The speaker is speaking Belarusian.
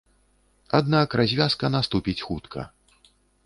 Аднак развязка наступіць хутка.